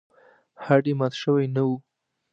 هډ یې مات شوی نه و.